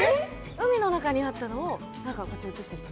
海の中にあったのを、こっちに移してきて。